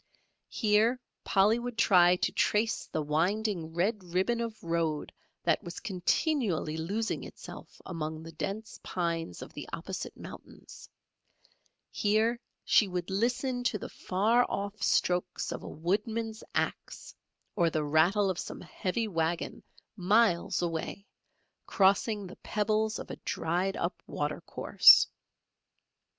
Here Polly would try to trace the winding red ribbon of road that was continually losing itself among the dense pines of the opposite mountains; here she would listen to the far off strokes of a woodman's axe, or the rattle of some heavy waggon, miles away, crossing the pebbles of a dried up water course.